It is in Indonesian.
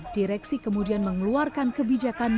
direksi kemudian mengeluarkan kebijakan